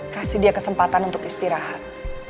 kasih dia kesempatan untuk istirahat